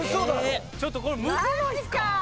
ちょっとこれむずないっすか？